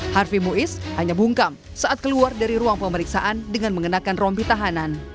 harfi muiz hanya bungkam saat keluar dari ruang pemeriksaan dengan mengenakan rompi tahanan